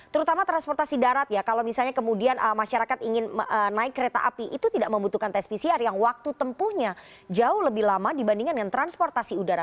terutama transportasi darat ya kalau misalnya kemudian masyarakat ingin naik kereta api itu tidak membutuhkan tes pcr yang waktu tempuhnya jauh lebih lama dibandingkan dengan transportasi udara